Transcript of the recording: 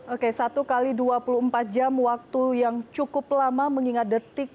oke satu x dua puluh empat jam waktu yang cukup lama mengingat detik